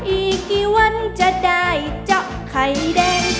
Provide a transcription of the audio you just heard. อีกกี่วันจะได้เจาะไข่แดง